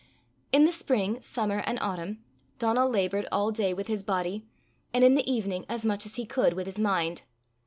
In the spring, summer, and autumn, Donal laboured all day with his body, and in the evening as much as he could with his mind.